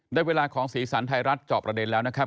ได้เวลาของสีสันไทยรัฐจอบประเด็นแล้วนะครับ